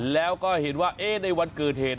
แล้วก็เห็นว่าในวันเกิดเหตุ